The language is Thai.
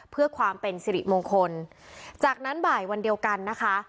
เพื่อความเป็นสิริมงคลจากนั้นบ่ายวันเดียวกันนะคะ